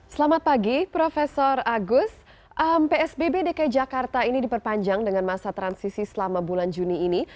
selamat pagi prof agus psbb dki jakarta ini diperpanjang dengan masa transisi selama bulan juni ini